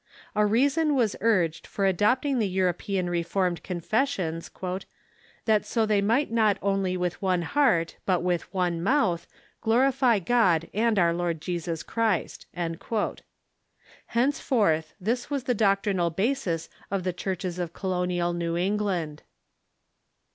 A reason was urged for adopting the European Reformed Confessions, "that so they might not onl}' with one heart, but with one mouth, glorify God and our Lord Jesus Christ." Henceforth this was the doctrinal basis of the churches of colonial New England.